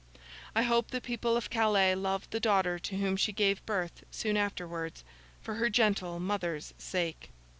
I hope the people of Calais loved the daughter to whom she gave birth soon afterwards, for her gentle mother's sake.